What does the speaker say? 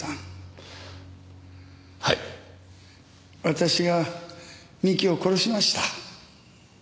私が三木を殺しました。